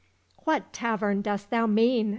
—" What tavern dost thou mean ?